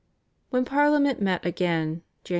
When Parliament met again (Jan.